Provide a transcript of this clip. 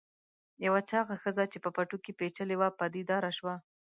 یوه چاغه ښځه چې په پټو کې پیچلې وه پدیدار شوه.